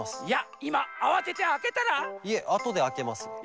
いやいまあわててあけたら？いえあとであけます。